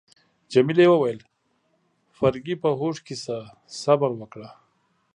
جميلې وويل: فرګي، په هوښ کي شه، صبر وکړه.